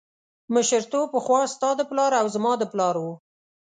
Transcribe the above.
مشرتوب پخوا ستا د پلار او زما د پلار و.